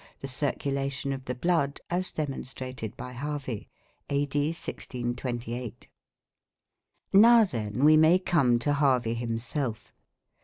The circulation of the blood as demonstrated by Harvey (A.D. 1628). Now then we may come to Harvey himself.